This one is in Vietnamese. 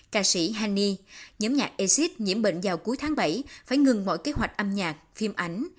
ca sĩ heni nhóm nhạc essid nhiễm bệnh vào cuối tháng bảy phải ngừng mọi kế hoạch âm nhạc phim ảnh